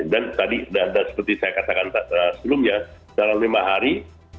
dan tadi dan seperti saya katakan sebelumnya dalam lima hari